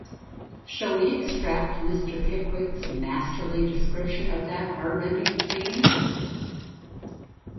Shall we extract Mr. Pickwick’s masterly description of that heartrending scene?